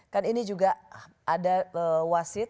kan ini juga ada wasit